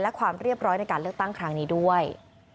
และความเรียบร้อยในการเลือกตั้งครั้งนี้ด้วย